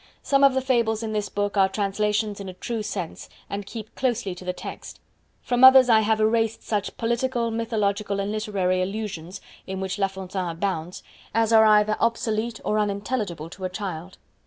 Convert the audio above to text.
Some of the Fables in this book are translations in a true sense, and keep closely to the text. From others I have erased such political, mythological and literary allusions (in which La Fontaine abounds) as are either obsolete or unintelligible to a child.